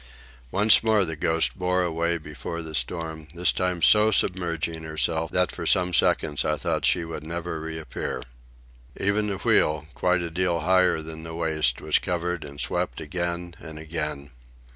Once more the Ghost bore away before the storm, this time so submerging herself that for some seconds I thought she would never reappear. Even the wheel, quite a deal higher than the waist, was covered and swept again and again.